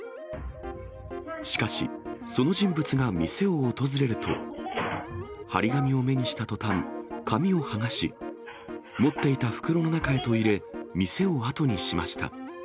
しかし、その人物が店を訪れると、貼り紙を目にしたとたん、紙を剥がし、持っていた袋の中へと入れ、店を後にしました。